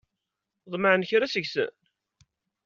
Tḍemɛem kra seg-sen?